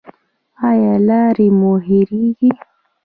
ایا لارې مو هیریږي؟